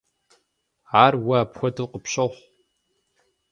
Ар уэ апхуэдэу къыпщохъу.